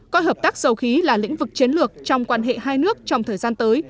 coi hợp tác dầu khí là lĩnh vực chiến lược trong quan hệ hai nước trong thời gian tới